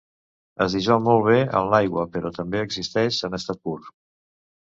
Es dissol molt bé en l'aigua però també existeix en estat pur.